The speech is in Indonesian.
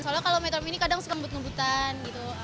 soalnya kalau metro mini kadang suka ngebut ngebutan gitu